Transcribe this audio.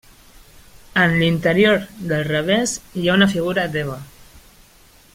En l'interior del revers hi ha una figura d'Eva.